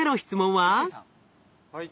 はい。